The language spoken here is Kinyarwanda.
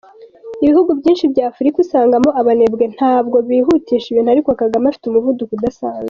Ibihugu byinshi bya Afurika usangamo abanebwe, ntabwo bihutisha ibintu, ariko Kagame afite umuvuduko udasanzwe.